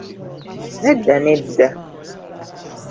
Nedda, nedda!